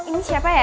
ini siapa ya